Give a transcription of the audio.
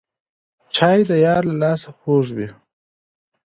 چای د یار له لاسه خوږ وي